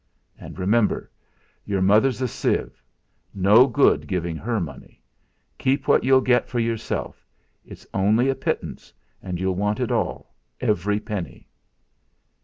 And remember: Your mother's a sieve, no good giving her money; keep what you'll get for yourself it's only a pittance, and you'll want it all every penny."